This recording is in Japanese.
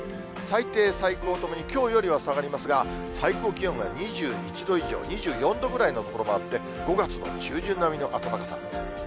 最低、最高ともにきょうよりは下がりますが、最高気温が２１度以上、２４度ぐらいの所もあって、５月の中旬並みの暖かさ。